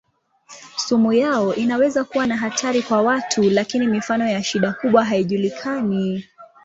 Sumu yao inaweza kuwa na hatari kwa watu lakini mifano ya shida kubwa haijulikani.